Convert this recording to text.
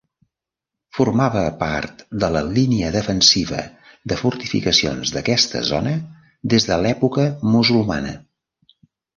Formava part de la línia defensiva de fortificacions d'aquesta zona des de l'època musulmana.